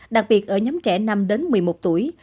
đặc biệt ở nhóm trẻ năm đến một mươi một tuổi